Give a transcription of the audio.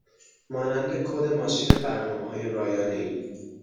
مانند کد ماشین برنامههای رایانه ای.